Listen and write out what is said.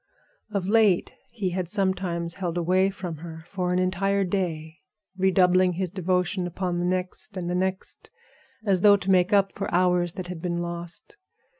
Of late he had sometimes held away from her for an entire day, redoubling his devotion upon the next and the next, as though to make up for hours that had been lost.